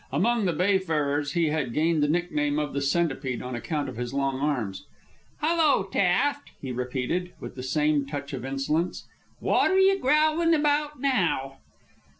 (Among the bayfarers he had gained the nickname of "The Centipede" on account of his long arms.) "Hello, Taft," he repeated, with the same touch of insolence. "Wot 'r you growlin' about now?"